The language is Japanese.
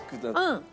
うん。